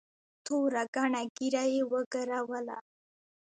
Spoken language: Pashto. توره گڼه ږيره يې وګروله.